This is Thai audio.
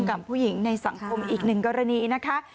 กับผู้หญิงในสังคมอีกหนึ่งกรณีนะคะ